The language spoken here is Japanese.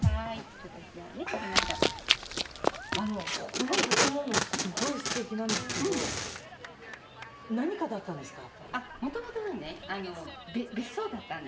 ここの建物すごい素敵なんですけど何かだったんですか。